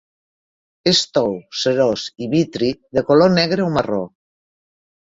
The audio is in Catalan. És tou, cerós i vitri de color negre o marró.